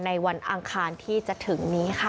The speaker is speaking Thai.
วันอังคารที่จะถึงนี้ค่ะ